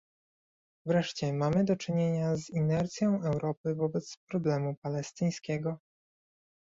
Wreszcie mamy do czynienia z inercją Europy wobec problemu palestyńskiego